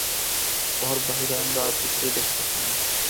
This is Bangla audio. উহার বাহিরে আমরা আর কিছু দেখিতে পাই না।